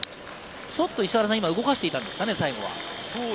ちょっと今動かしていたんですかね、最後。